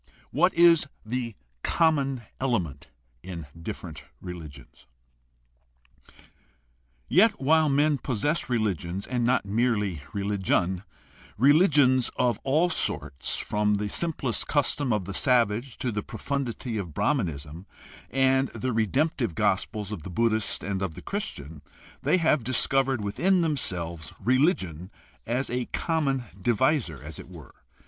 b) What is the common element in differing religions? — Yet while men possess religions and not merely religion, reli gions of all sorts, from the simplest custom of the savage to the profundity of Bralmianism and the redemptive gospels of the Buddhist and the Christian, they have discovered within themselves rcUgion as a common divisor, as it were.